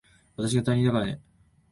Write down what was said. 私が担任だからね。